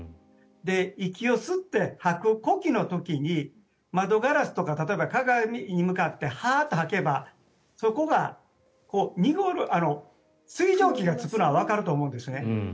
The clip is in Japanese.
息を吸って吐く呼吸の時に窓ガラスとか例えば鏡に向かってハーッと吐けばそこが濁る水蒸気がつくのはわかると思うんですね。